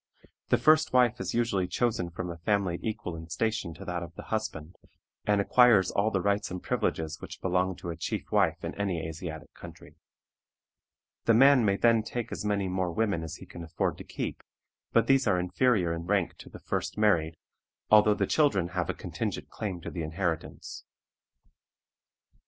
The first wife is usually chosen from a family equal in station to that of the husband, and acquires all the rights and privileges which belong to a chief wife in any Asiatic country. The man may then take as many more women as he can afford to keep, but these are inferior in rank to the first married, although the children have a contingent claim to the inheritance.